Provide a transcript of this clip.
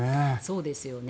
そうですよね。